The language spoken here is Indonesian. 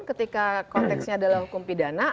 ketika konteksnya adalah hukum pidana